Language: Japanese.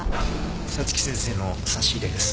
早月先生の差し入れです。